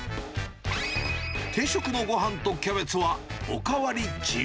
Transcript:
定食のごはんとキャベツはお代わり自由。